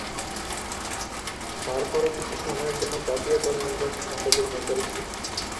তারপরও কিছু সময়ের জন্যে জাতীয় দল নির্বাচকমণ্ডলীর নজরে ছিলেন।